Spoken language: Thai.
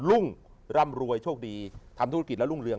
รุ่งร่ำรวยโชคดีทำธุรกิจแล้วรุ่งเรือง